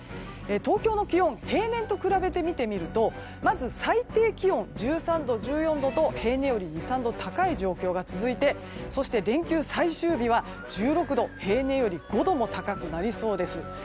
東京の気温、平年と比べて見てみるとまず最低気温、１３度、１４度と平年より２３度高い状況が続いてそして、連休最終日は１６度、平年より５度も高くなりそうです。